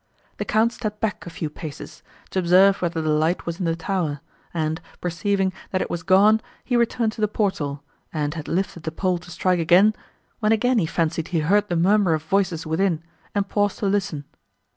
The Count stepped back, a few paces, to observe whether the light was in the tower, and, perceiving, that it was gone, he returned to the portal, and had lifted the pole to strike again, when again he fancied he heard the murmur of voices within, and paused to listen.